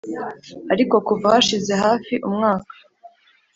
ariko kuva hashize hafi umwaka,